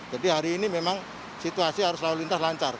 jadi hari ini memang situasi harus lalu lintas lancar